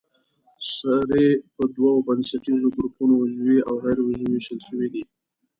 سرې په دوو بنسټیزو ګروپونو عضوي او غیر عضوي ویشل شوې دي.